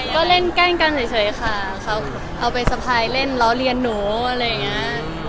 ก็เล่นแกล้งกันเฉยค่ะเขาเอาไปสะพายเล่นล้อเลียนหนูอะไรอย่างนี้